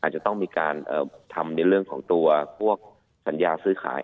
จะต้องมีการทำในเรื่องของตัวพวกสัญญาซื้อขาย